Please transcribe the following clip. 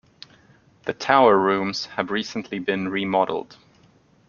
The tower rooms have recently been remodeled.